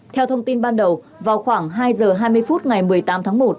theo thông tin ban đầu vào khoảng hai giờ hai mươi phút ngày một mươi tám tháng một